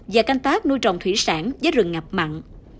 và canh tác nuôi trồng thủy sản với rừng ngập mặn